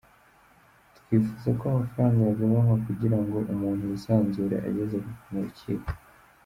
Twifuza ko amafaranga yagabanywa kugira ngo umuntu yisanzure ageze mu rukiko.